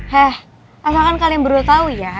heh asalkan kalian berdua tau ya